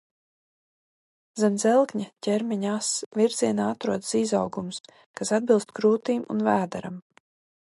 Zem dzelkņa ķermeņa ass virzienā atrodas izaugums, kas atbilst krūtīm un vēderam.